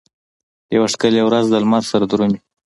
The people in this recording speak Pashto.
یوه ښکلې ورځ دلمره سره درومي